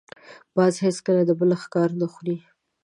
باز هېڅکله د بل ښکار نه خوري